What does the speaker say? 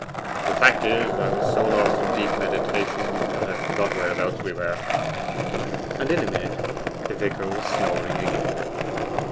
'The fact is I was so lost in deep meditation that I forgot whereabouts we were.' And in a minute the vicar was snoring again.